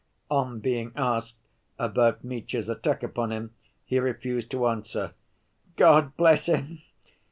On being asked about Mitya's attack upon him, he refused to answer. "God bless him.